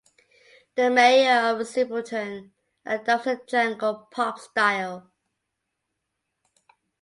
"The Mayor of Simpleton" adopts a jangle pop style.